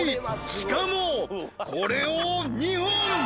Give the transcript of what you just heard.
しかもこれを２本！